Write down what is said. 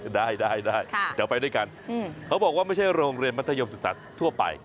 ได้ได้เดี๋ยวไปด้วยกันเขาบอกว่าไม่ใช่โรงเรียนมัธยมศึกษาทั่วไป